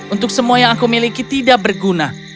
untuk semua yang aku miliki tidak berguna